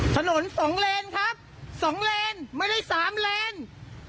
ถนนสองเลนส์ครับสองเลนส์ไม่ได้สามเลนส์